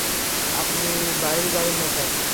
আপনি বাইরে যাবেন না, স্যার।